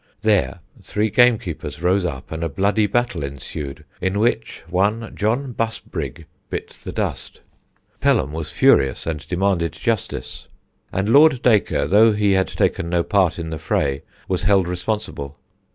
There three gamekeepers rose up, and a bloody battle ensued in which one John Busbrig bit the dust. Pelham was furious and demanded justice, and Lord Dacre, though he had taken no part in the fray, was held responsible.